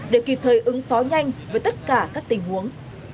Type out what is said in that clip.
để kịp thời ứng phó nhanh với tất cả các tình huống